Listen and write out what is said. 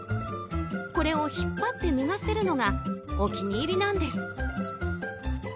これを引っ張って脱がせるのがお気に入りなんです。